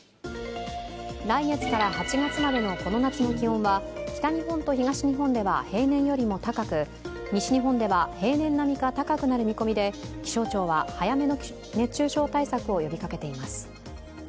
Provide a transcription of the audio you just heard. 来月から８月までのこの夏の気温は北日本と東日本では平年よりも高く西日本では平年並みか高くなる見込みで気象庁は早めの熱中症対策を呼びかけています。